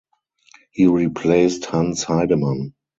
He replaced Hans Heidemann.